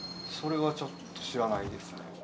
それはちょっと知らないですね